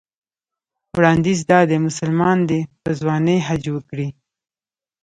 وړاندیز دا دی مسلمان دې په ځوانۍ حج وکړي.